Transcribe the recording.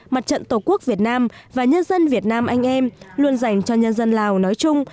mặt trận tổ quốc việt nam và nhân dân việt nam anh em luôn dành cho nhân dân lào nói chung